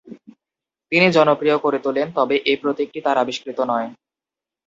তিনি জনপ্রিয় করে তোলেন, তবে এ প্রতীকটি তার আবিষ্কৃত নয়।